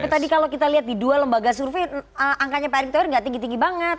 tadi kalau kita lihat di dua lembaga survei angkanya pak erick thohir tidak tinggi tinggi banget